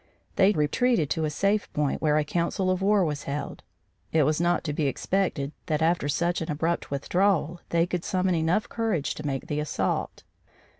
They retreated to a safe point where a council of war was held. It was not to be expected that after such an abrupt withdrawal, they could summon enough courage to make the assault.